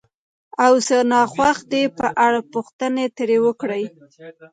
او څه ناخوښ دي په اړه پوښتنې ترې وکړئ،